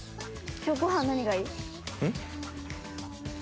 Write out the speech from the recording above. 今日ご飯何がいい？ん？